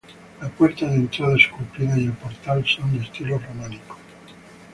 La puerta de entrada, esculpida, y el portal son de estilo románico.